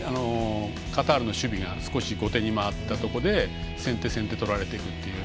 カタールの守備が少し後手に回ったところで先手、先手を取られていくという。